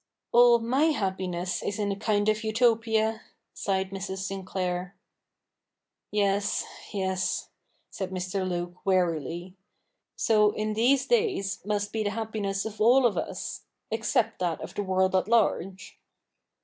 ' All my happiness is in a kind of Utopia,' sighed Mrs. Sinclair. ' Yes — yes,' said Mr. Luke wearily ;' so in these days must be the happiness of all of us — except that of the world at large.'